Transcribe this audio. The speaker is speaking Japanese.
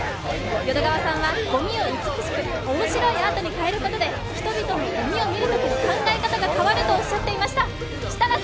淀川さんは、ごみを美しく、面白いアートに変えることで人々のごみを見るときの考え方が変わるとおっしゃっていました。